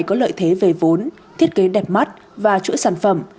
có lợi thế về vốn thiết kế đẹp mắt và chuỗi sản phẩm